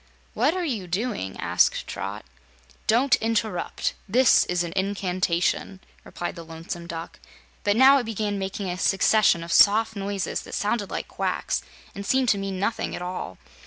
"What are you doing?" asked Trot. "Don't interrupt. This is an incantation," replied the Lonesome Duck, but now it began making a succession of soft noises that sounded like quacks and seemed to mean nothing at all.